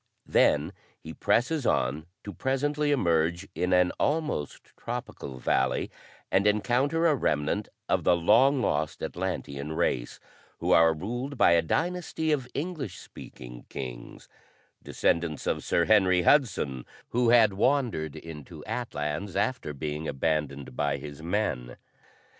Then he presses on to presently emerge in an almost tropical valley and encounter a remnant of the long lost Atlantean race, who are ruled by a dynasty of English speaking kings descendants of Sir Henry Hudson, who had wandered into Atlans after being abandoned by his men.